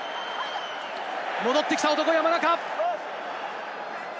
戻ってきた男、山中。